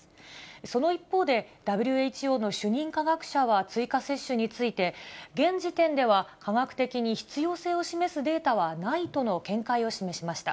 その一方で、ＷＨＯの主任科学者は追加接種について、現時点では科学的に必要性を示すデータはないとの見解を示しました。